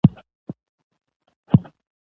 د طبيعت ږغونه او منظرې ډير خوند کوي.